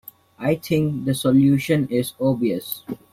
I think the solution is obvious.